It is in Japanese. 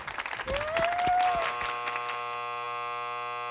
え！